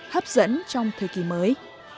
hấp dẫn trong thời kỳ mới